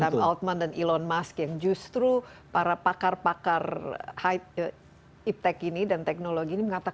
otman dan elon musk yang justru para pakar pakar high iptec ini dan teknologi ini mengatakan